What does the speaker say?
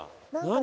何？